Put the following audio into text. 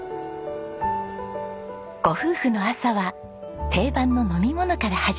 ご夫婦の朝は定番の飲み物から始まります。